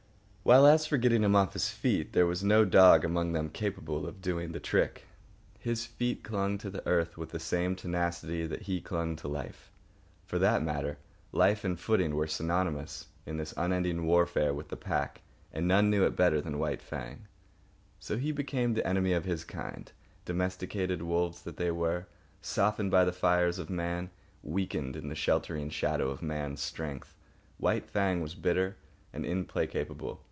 While, as for getting him off his feet, there was no dog among them capable of doing the trick. His feet clung to the earth with the same tenacity that he clung to life. For that matter, life and footing were synonymous in this unending warfare with the pack, and none knew it better than White Fang. So he became the enemy of his kind, domesticated wolves that they were, softened by the fires of man, weakened in the sheltering shadow of man's strength. White Fang was bitter and implacable.